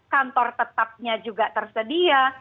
kantor tetapnya juga tersedia